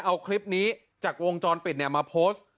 เอาคลิปนี้จากวงจรปิดมาโพสต์